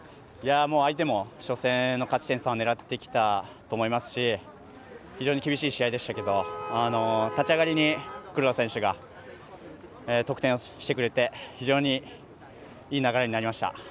相手も初戦の勝ち点３を狙ってきたと思いますし非常に厳しい試合でしたが立ち上がりに黒田選手が得点をしてくれて非常にいい流れになりました。